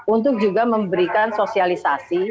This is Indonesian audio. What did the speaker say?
untuk juga memberikan sosialisasi